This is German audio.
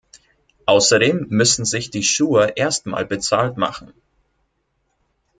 Außerdem müssen sich die Schuhe erst mal bezahlt machen.